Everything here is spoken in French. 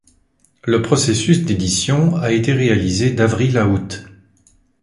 Le processus d'édition a été réalisée d'avril à août.